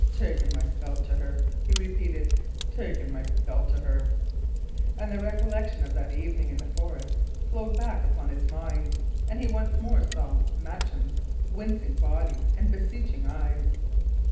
"Ta'en my belt to her!" he repeated. "Ta'en my belt to her!" And the recollection of that evening in the forest flowed back upon his mind, and he once more saw Matcham's wincing body and beseeching eyes.